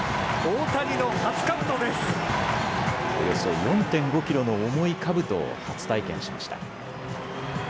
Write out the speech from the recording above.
およそ４．５キロの重いかぶとを初体験しました。